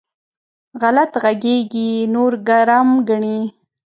غلط غږېږي؛ نور ګرم ګڼي.